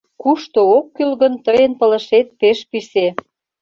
Кушто ок кӱл гын, тыйын пылышет пеш писе.